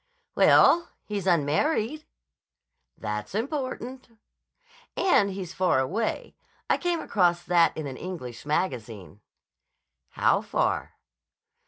"Well, he's unmarried." "That's important." "And he's far away. I came across that in an English magazine." "How far?"